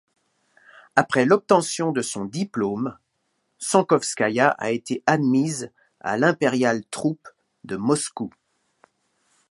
Après l'obtention de son diplôme, Sankovskaïa a été admise à l'Impérial troupe de Moscou.